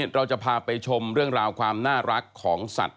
เราจะพาไปชมเรื่องราวความน่ารักของสัตว์